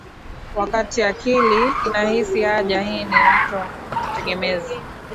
Wakati akili inahisi haja hii ni wito tegemezi